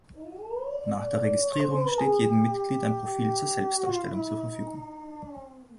Nach der Registrierung steht jedem Mitglied eine Profil zur Selbstdarstellung zur Verfügung.